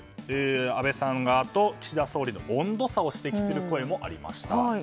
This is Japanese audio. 安倍さん側と岸田総理側の温度差を指摘する声もありました。